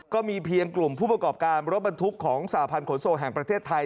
ก็มีเพียงกลุ่มผู้ประกอบการรถบรรทุกของสาพันธ์ขนส่งแห่งประเทศไทย